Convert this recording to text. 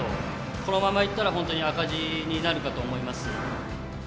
このままいったら、本当に赤字になるかと思います。